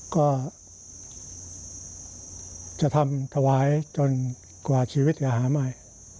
ก็จะทำถวายจนกว่าชีวิตจะหาใหม่